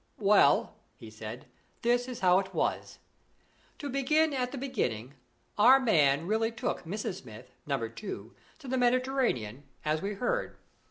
"Well," he said, "this is how it was: To begin at the beginning, our man really took Mrs. Smith, Number Two, to the Mediterranean, as we heard.